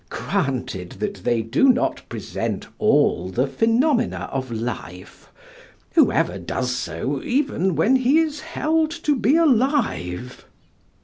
Granted that they do not present all the phenomena of life who ever does so even when he is held to be alive?